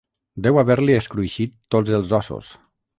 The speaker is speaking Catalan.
Deu haver-li escruixit tots els ossos.